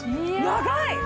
長い！